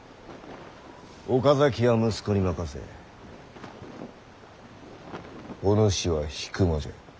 岡崎は息子に任せお主は引間じゃ。